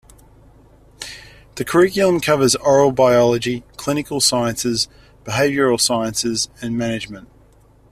The curriculum covers oral biology, clinical sciences, behavioral sciences and management.